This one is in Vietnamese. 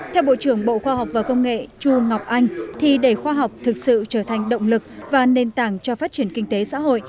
theo bộ trưởng bộ khoa học và công nghệ chu ngọc anh thì để khoa học thực sự trở thành động lực và nền tảng cho phát triển kinh tế xã hội